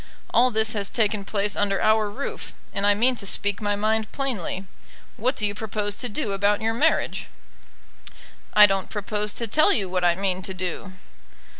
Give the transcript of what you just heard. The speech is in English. All this has taken place under our roof, and I mean to speak my mind plainly. What do you propose to do about your marriage?" "I don't propose to tell you what I mean to do."